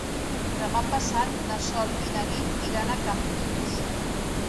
Demà passat na Sol i na Nit iran a Campins.